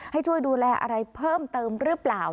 ให้ช่วยดูแลอะไรเพิ่มเติมหรือเปล่า